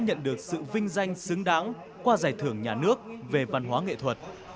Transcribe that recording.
giáo sư đã đạt được sự vinh danh xứng đáng qua giải thưởng nhà nước về văn hóa nghệ thuật